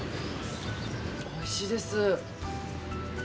おいしいです。